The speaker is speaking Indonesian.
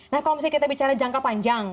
nah kalau misalnya kita bicara jangka panjang